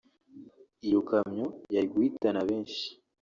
iyo kamyo yari guhitana benshi